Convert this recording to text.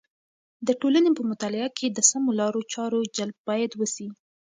د ټولنې په مطالعه کې د سمو لارو چارو جلب باید وسي.